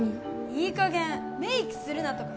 いい加減メイクするなとか